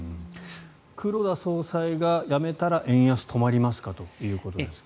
黒田総裁が辞めたら円安止まりますか？ということです。